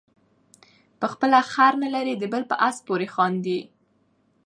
په خپله خر نلري د بل په آس پورې خاندي.